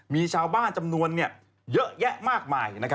มีชาวบ้านจำนวนเยอะแยะมากมาย